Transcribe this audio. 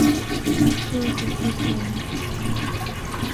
Chuo Kikuu cha Mt.